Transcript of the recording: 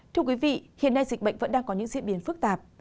thưa quý vị hiện nay dịch bệnh vẫn đang có những diễn biến phức tạp